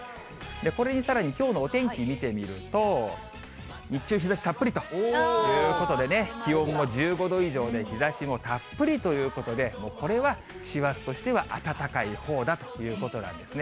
これにさらにきょうのお天気見てみると、日中、日ざしたっぷりということでね、気温も１５度以上で日ざしもたっぷりということで、もうこれは師走としては暖かいほうだということなんですね。